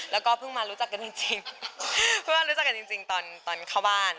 แล้วก็เพิ่งมารู้จักกันจริงตอนเข้าบ้าน